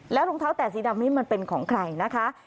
รองเท้าแตะสีดำนี้มันเป็นของใครนะคะ